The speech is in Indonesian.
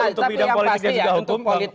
untuk bidang politik dan juga hukum